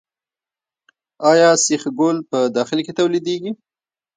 آیا سیخ ګول په داخل کې تولیدیږي؟